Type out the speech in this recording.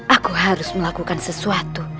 aku harus melakukan sesuatu